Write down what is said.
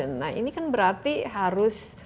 nah ini kan berarti harus